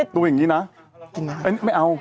ดูอย่างนี้นะไม่เอา